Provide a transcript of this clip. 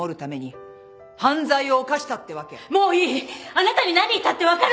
あなたに何言ったって分かるわけない。